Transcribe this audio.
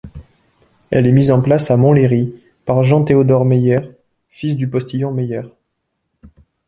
Elle est mise en place à Montlhéry par Jean-Théodore Meyer, fils du postillon Meyer.